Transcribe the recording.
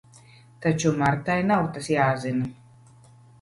Taču Martai nav tas jāzina.